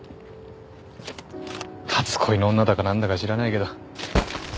初恋の女だかなんだか知らないけど。